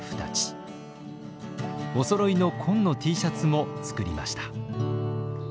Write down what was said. おそろいの紺のＴシャツも作りました。